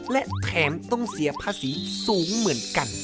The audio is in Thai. และแถมต้องเสียภาษีสูงเหมือนกัน